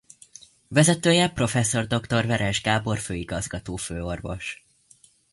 Vezetője prof. dr. Veress Gábor főigazgató főorvos.